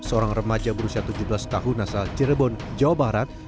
seorang remaja berusia tujuh belas tahun asal cirebon jawa barat